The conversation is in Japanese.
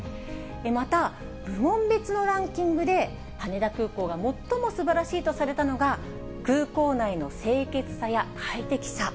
また、部門別のランキングで、羽田空港が最もすばらしいとされたのが、空港内の清潔さや快適さ。